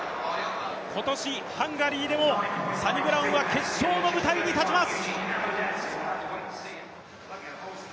今年、ハンガリーでもサニブラウンは決勝の舞台に立ちます。